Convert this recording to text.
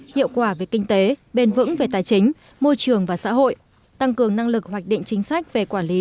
hiệu quả về kinh tế bền vững về tài chính môi trường và xã hội tăng cường năng lực hoạch định chính sách về quản lý